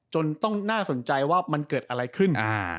จนต้องน่าสนใจว่ามันเกิดอะไรขึ้น